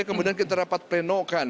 kemudian kita rapat penelitian